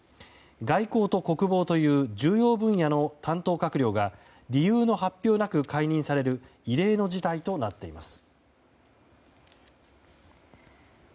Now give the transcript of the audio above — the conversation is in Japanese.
外交と国防という重要分野の担当閣僚が理由の発表なく解任される異例の事態となっています。